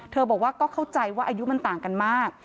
บอกว่าก็เข้าใจว่าอายุมันต่างกันมาก